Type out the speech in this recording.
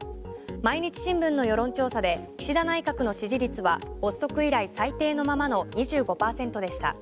毎日新聞の世論調査で岸田内閣の支持率は発足以来最低のままの２５％でした。